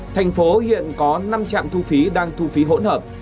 thành phố hiện có năm trạm thu phí đang thu phí hỗn hợp